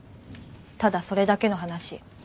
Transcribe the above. ただそれだけの話。